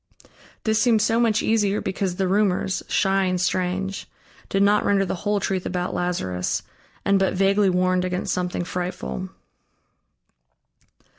This seemed so much easier because the rumors, shy and strange, did not render the whole truth about Lazarus and but vaguely warned against something frightful.